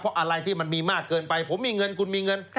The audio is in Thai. เพราะอะไรที่มันมีมากเกินไปผมมีเงินคุณมีเงิน